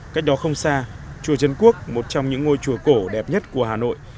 cách đó không xa chùa trấn quốc một trong những ngôi chùa cổ đẹp nhất của hà nội